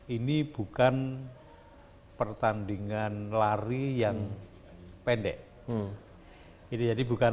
ini bukan pertandingan lari yang pendek